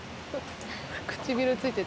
唇ついてる。